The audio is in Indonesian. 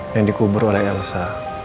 yang dikubur oleh elsa